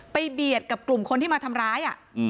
เบียดกับกลุ่มคนที่มาทำร้าย